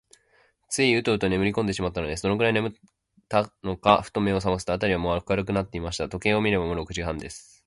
ついウトウトねむりこんでしまったのです。どのくらいねむったのか、ふと目をさますと、あたりはもう明るくなっていました。時計を見れば、もう六時半です。